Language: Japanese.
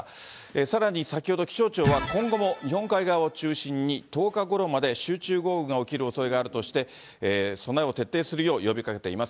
さらに先ほど気象庁は、今後も日本海側を中心に、１０日ごろまで集中豪雨が起きるおそれがあるとして、備えを徹底するよう呼びかけています。